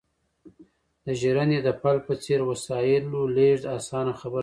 د ژرندې د پل په څېر وسایلو لېږد اسانه خبره نه ده